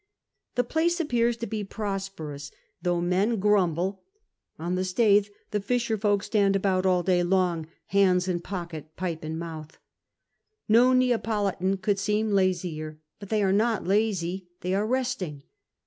The place appears to be prosperous, though men 8 CAPTAIN COON nr A I*. grumble : on the Staithe the fisher folk stand about all day long, hands in pocket, pipe in mouth. No Neapolitan could seem lazier ; but they arc not lazy : they are resting.